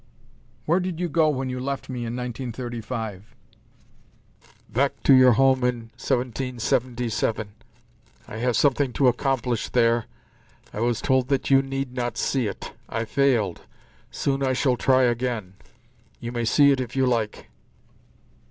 "Where did you go when you left me in 1935?" "Back to your home in 1777. I have something to accomplish there. I was told that you need not see it. I failed. Soon I shall try again. You may see it if you like."